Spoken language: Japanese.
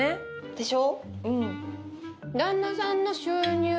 でしょ。